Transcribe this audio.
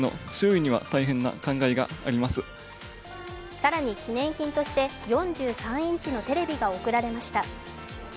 更に記念品として４３インチのテレビが贈られました。